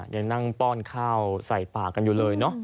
ยังนั่งป้อนข้าวใส่ปากกันอยู่เลยเนอะ